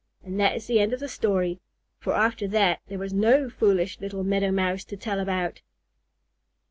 And that is the end of the story, for after that, there was no foolish little Meadow Mouse to tell about.